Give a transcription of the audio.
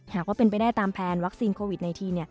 หากว่าเป็นไปได้ตามแผนวัคซีนโควิด๑๙